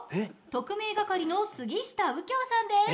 特命係の杉下右京さんです。